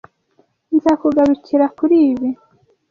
Nzakugarukira kuri ibi.